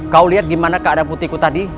kau lihat di mana keadaan putriku tadi